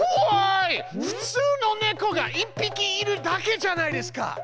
ふつうのネコが１匹いるだけじゃないですか！